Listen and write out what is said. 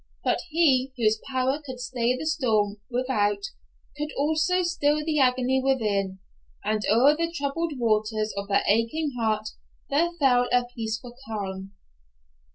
But He, whose power could stay the storm without, could also still the agony within, and o'er the troubled waters of that aching heart there fell a peaceful calm.